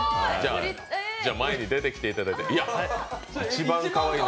前に出てきていただいて、いちばんかわいいの。